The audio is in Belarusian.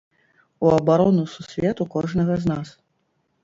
У абарону сусвету кожнага з нас.